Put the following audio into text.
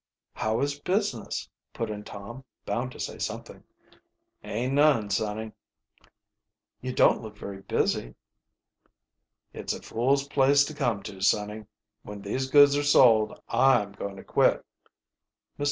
"How is business?" put in Tom, bound to say something. "Aint none, sonny." "You don't look very busy." "It's a fool's place to come to, sonny. When these goods are sold I'm going to quit." Mr.